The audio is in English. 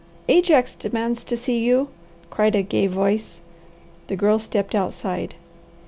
"Ajax demands to see you," cried a gay voice. The Girl stepped outside.